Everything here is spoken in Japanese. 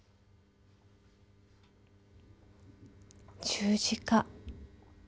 十字架。